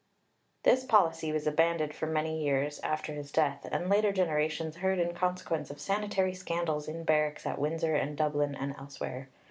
This policy was abandoned for many years after his death, and later generations heard in consequence of sanitary scandals in barracks at Windsor and Dublin and elsewhere.